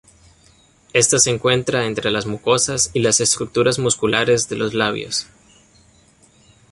Esta se encuentra entre las mucosas y las estructuras musculares de los labios.